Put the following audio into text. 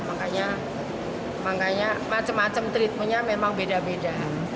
makanya makanya macam macam ritmenya memang beda beda